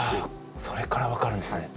それから分かるんですね。